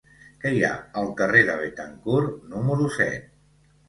Què hi ha al carrer de Béthencourt número set?